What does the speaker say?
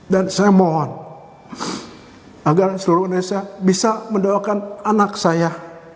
dan saya mohon agar seluruh negara indonesia bisa mendoakan anak saya